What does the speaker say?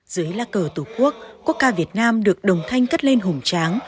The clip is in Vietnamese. dưới lá cờ tổ quốc quốc ca việt nam được đồng thanh cất lên hùng tráng